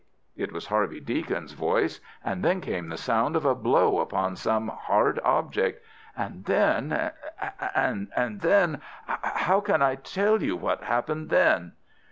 It was Harvey Deacon's voice, and then came the sound of a blow upon some hard object. And then ... And then ... how can I tell you what happened then?